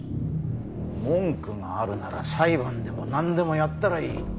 文句があるなら裁判でもなんでもやったらいい。